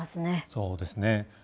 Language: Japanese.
そうですね。